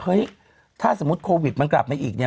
เฮ้ยถ้าสมมุติโควิดมันกลับมาอีกเนี่ย